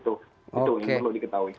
itu yang perlu diketahui